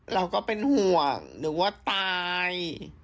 เราก็เป็นห่วงหรือว่าตาย